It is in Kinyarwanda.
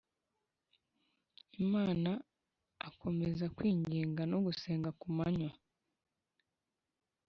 Imana akomeza kwinginga no gusenga ku manywa